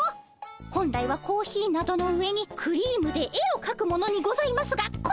本来はコーヒーなどの上にクリームで絵をかくものにございますがこれは斬新。